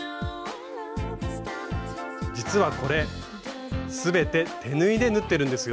実はこれ全て手縫いで縫ってるんですよ。